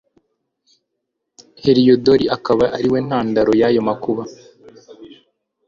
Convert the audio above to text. heliyodori akaba ari we ntandaro y'ayo makuba